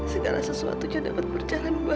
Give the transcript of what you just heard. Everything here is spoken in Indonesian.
segala sesuatu dia dapat berjalan baik